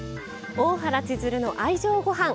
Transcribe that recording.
「大原千鶴の愛情ごはん」。